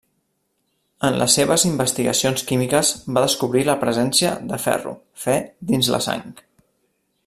En les seves investigacions químiques va descobrir la presència de ferro, Fe, dins la sang.